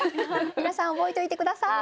皆さん覚えといて下さい！